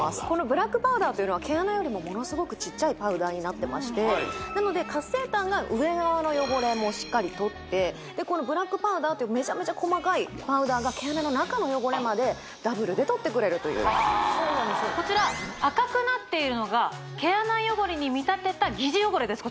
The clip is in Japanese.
ブラックパウダーというのは毛穴よりもものすごくちっちゃいパウダーになってましてなので活性炭が上側の汚れもしっかり取ってブラックパウダーというめちゃめちゃ細かいパウダーが毛穴の中の汚れまでダブルで取ってくれるというこちら赤くなっているのが毛穴汚れに見立てた疑似汚れです